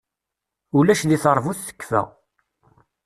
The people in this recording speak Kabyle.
Ulac di teṛbut tekfa.